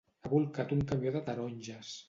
Ha bolcat un camió de taronges.